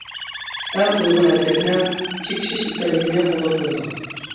ئەڭ ئۇيغۇن ھەرىكەتنىڭ چېكىشىش ئىكەنلىكىنى قوبۇل قىلىدۇ.